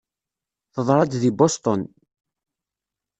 Teḍra-d di Boston.